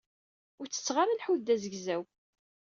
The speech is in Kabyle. Ur tetteɣ ara lḥut d azegzaw.